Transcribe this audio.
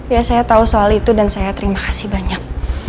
ya saya tahu soal itu dan saya terima kasih banyak